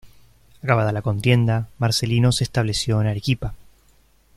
Acabada la contienda, Marcelino se estableció en Arequipa.